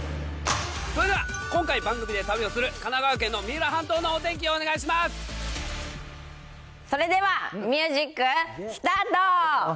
それでは、今回、番組で旅をする神奈川県の三浦半島のお天気お願それではミュージックスタート。